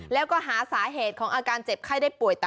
แล้วก็หาสาเหตุของอาการเจ็บไข้ได้ป่วยต่อ